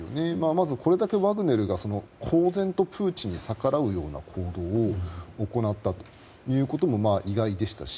まずこれだけワグネルが、公然とプーチンに逆らうような行動を行ったということも意外でしたし